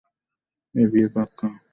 এই বিয়ে পাক্কা। ছেলে পছন্দ হয়েছে আমাদের।